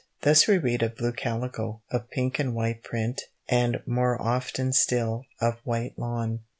Thus we read of blue calico, of pink and white print, and more often still, of white lawn.